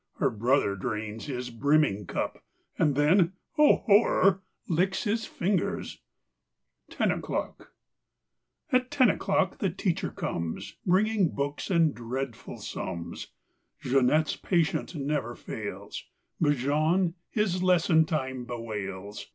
Her brother drains his brimming cup. And then—oh, horror!—licks his fingers! 13 NINE O'CLOCK 15 TEN O'CLOCK AT ten o'clock the teacher comes ZjL Bringing books and dreadful Jeanette's patience never fails, But Jean his lesson time bewails.